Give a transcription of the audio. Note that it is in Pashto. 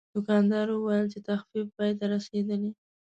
دوکاندار وویل چې تخفیف پای ته رسیدلی.